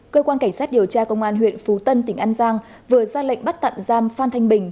cơ quan cảnh sát điều tra công an huyện phú tân tỉnh an giang vừa ra lệnh bắt tạm giam phan thanh bình